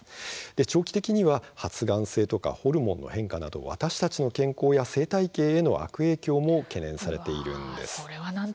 長期的には発がん性とかホルモンの変化など私たちの健康や生態系への悪影響も懸念されているんです。